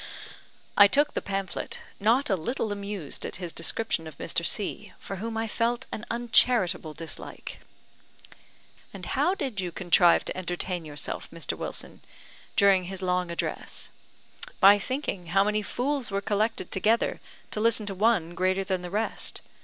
I took the pamphlet, not a little amused at his description of Mr. C , for whom I felt an uncharitable dislike. "And how did you contrive to entertain yourself, Mr. Wilson, during his long address?" "By thinking how many fools were collected together, to listen to one greater than the rest.